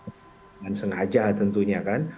dengan sengaja tentunya kan